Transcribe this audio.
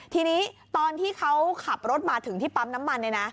ทีนี้ตอนที่เขาขับรถมาถึงที่ปั๊มน้ำมัน